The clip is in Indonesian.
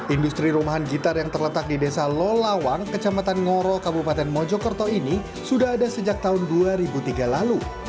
industri rumahan gitar yang terletak di desa lolawang kecamatan ngoro kabupaten mojokerto ini sudah ada sejak tahun dua ribu tiga lalu